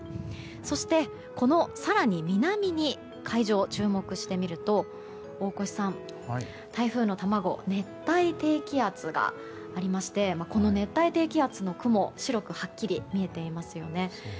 そして、この更に南に海上、注目してみると大越さん、台風の卵熱帯低気圧がありましてこの熱帯低気圧の雲白くはっきり見えていますよね。